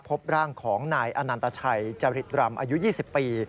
พบร่างของนายอนันตชัยจริตรำอายุ๒๐ปี